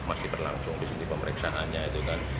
masih berlangsung di sini pemeriksaannya itu kan